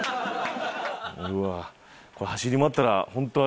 うわこれ走り回ったらホントあれですよね